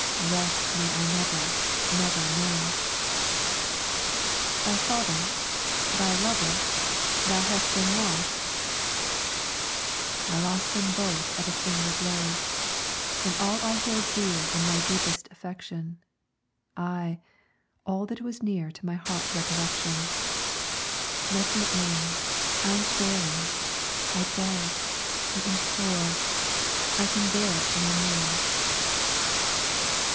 "Rest may I never, never know." "Thy father, thy lover, thou hast then lost?" "I lost them both at a single blow, And all I held dear In my deepest affection, Ay, all that was near To my heart's recollection. Let me in, I am failing, I beg, I implore, I can bear no more."